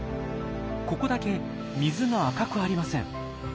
ここだけ水が赤くありません。